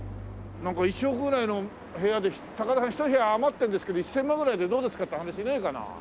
なんか１億ぐらいの部屋で「高田さん１部屋余ってるんですけど１０００万ぐらいでどうですか？」って話ねえかな？